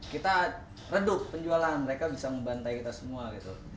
kita redup penjualan mereka bisa membantai kita semua gitu